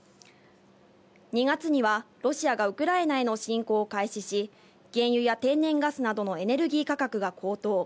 ２月にはロシアがウクライナへの侵攻を開始し、原油や天然ガスなどのエネルギー価格が高騰。